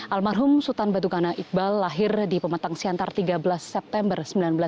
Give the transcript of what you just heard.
almarhum sultan batu gana iqbal lahir di pematang siantar tiga belas september seribu sembilan ratus empat puluh